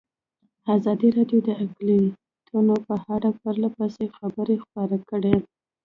ازادي راډیو د اقلیتونه په اړه پرله پسې خبرونه خپاره کړي.